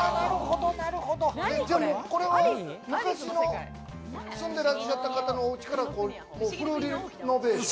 これは昔住んでいらっしゃった方のおうちからフルリノベーション？